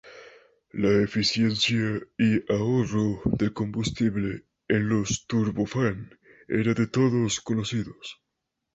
La eficiencia y ahorro de combustible en los turbofán eran de todos conocidos.